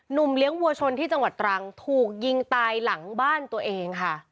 เลี้ยงวัวชนที่จังหวัดตรังถูกยิงตายหลังบ้านตัวเองค่ะ